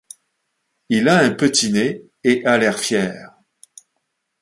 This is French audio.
Il a un petit nez et a l'air fier.